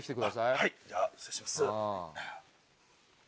はいじゃあ失礼します。